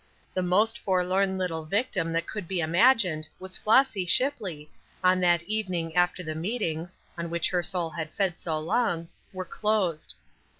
The most forlorn little victim that could be imagined was Flossy Shipley on that evening after the meetings, on which her soul had fed so long, were closed.